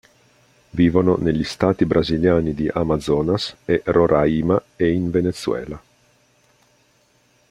Vivono negli stati brasiliani di Amazonas e Roraima e in Venezuela.